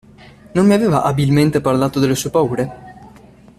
Non mi aveva abilmente parlato delle sue paure?